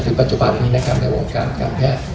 แต่ที่ปัจจุบันนี้ในการงานวงการกาลแพทย์